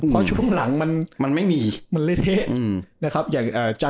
คมหลังมันมันมันไม่มีมันเล้ยเทะอืมนะครับอย่างอ่า